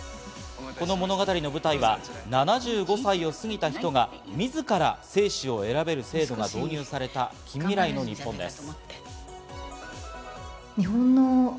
この物語の舞台は、７５歳を過ぎた人がみずから生死を選べる制度が導入された近未来の日本です。